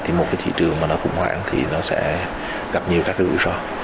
thì một thị trường mà nó khủng hoảng thì nó sẽ gặp nhiều các rủi ro